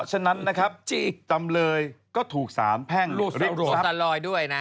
จำเลยก็ถูกสารแพ่งริบทรัพย์